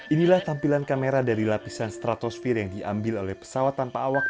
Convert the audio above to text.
inilah tampilan kamera dari lapisan stratosfer yang diambil oleh pesawat tanpa awak